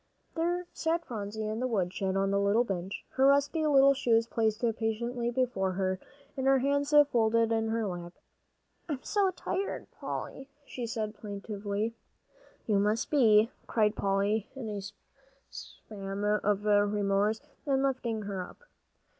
There sat Phronsie in the woodshed on the little bench, her rusty little shoes placed patiently before her, and her hands folded in her lap. "I'm so tired, Polly," she said plaintively. "So you must be!" cried Polly, in a spasm of remorse, and lifting her up.